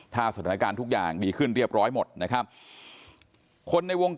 ถ้าสถานการณ์ทุกอย่างดีขึ้นเรียบร้อยหมดนะครับคนในวงการ